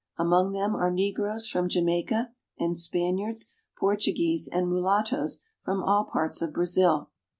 Among them are negroes from Jamaica, and Spaniards, Portu guese, and mulattoes from all parts of Brazil.